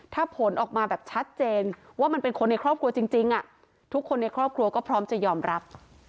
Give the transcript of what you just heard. ถ้าผลออกมาแบบชัดเจนว่ามันเป็นคนในครอบครัวจริงทุกคนในครอบครัวก็พร้อมจะยอมรับ